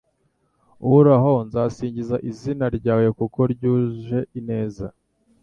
Uhoraho nzasingiza izina ryawe kuko ryuje ineza